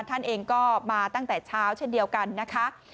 ท่านเองก็มาตั้งแต่เช้าเช่นเดียวกันนะคะ